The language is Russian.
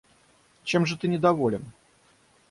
Чем же ты недоволен?